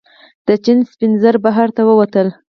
د چین سپین زر بهر ته ووتل.